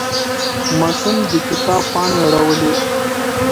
ماشوم د کتاب پاڼې اړولې.